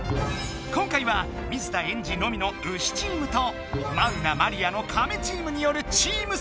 今回は水田エンジのみのウシチームとマウナマリアのカメチームによるチーム戦だ！